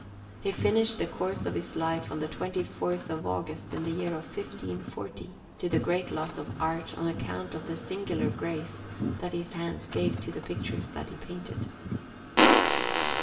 He finished the course of his life on the 24th of August, in the year 1540, to the great loss of art on account of the singular grace that his hands gave to the pictures that he painted.